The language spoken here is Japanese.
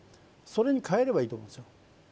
それにかえればいいと思うんですよ